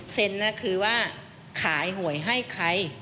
คือว่าขายหวยให้ใคร